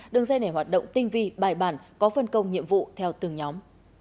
đường dây này hoạt động tinh vi bài bản có phân công nhiệm vụ theo từng nhóm